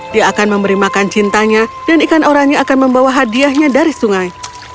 dia akan memberi makan cintanya dan ikan oranye akan membawa hadiahnya dari sungai